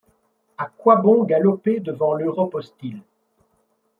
A quoi bon galoper devant l'Europe hostile ?